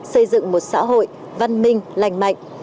xây dựng một xã hội văn minh lành mạnh